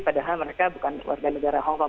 padahal mereka bukan warga negara hongkong